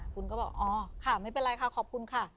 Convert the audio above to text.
คุณก็บอกอ๋อค่ะไม่เป็นไรค่ะขอบคุณค่ะ